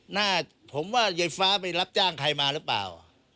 หน้าผมว่ายายฟ้าไปรับจ้างใครมาหรือเปล่า